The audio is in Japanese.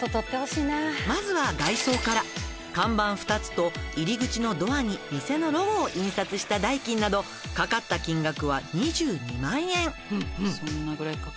「まずは外装から看板２つと入り口のドアに店のロゴを印刷した代金などかかった金額は２２万円」